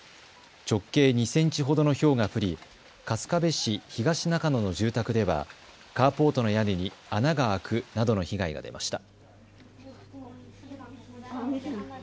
直径２センチほどのひょうが降り春日部市東中野の住宅ではカーポートの屋根に穴が開くなどの被害が出ました。